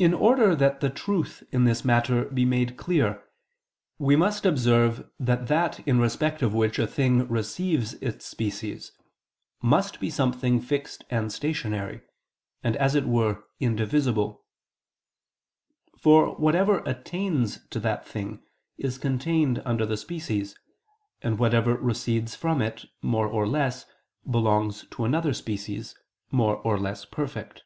In order that the truth in this matter be made clear, we must observe that [that], in respect of which a thing receives its species, must be something fixed and stationary, and as it were indivisible: for whatever attains to that thing, is contained under the species, and whatever recedes from it more or less, belongs to another species, more or less perfect.